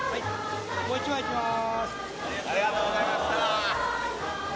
もう１枚いきます。